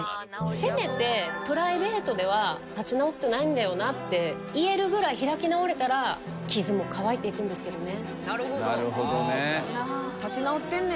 せめてプライベートでは立ち直ってないんだよなって言えるぐらい開き直れたら傷も乾いていくんですけどね。